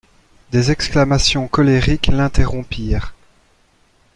Des exclamations colériques l'interrompirent.